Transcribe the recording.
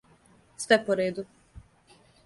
Све по реду!